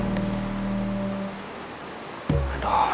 nih ini udah berapa